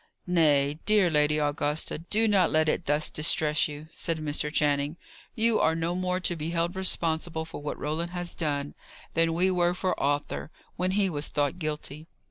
"Nay, dear Lady Augusta, do not let it thus distress you," said Mr. Channing. "You are no more to be held responsible for what Roland has done, than we were for Arthur, when he was thought guilty."